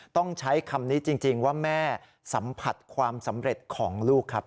ต้องใช้คำนี้จริงว่าแม่สัมผัสความสำเร็จของลูกครับ